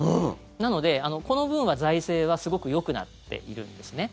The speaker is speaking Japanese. なので、この分は財政はすごくよくなっているんですね。